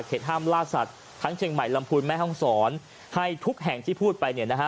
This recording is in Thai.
ห้ามล่าสัตว์ทั้งเชียงใหม่ลำพูนแม่ห้องศรให้ทุกแห่งที่พูดไปเนี่ยนะฮะ